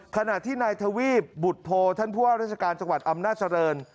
ขณะที่หน้าถวีบบุธโพตันบ่าวราชการอำนาจเจริญ